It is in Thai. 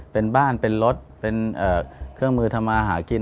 เป็นบ้านเป็นรถเป็นเครื่องมือทำมาหากิน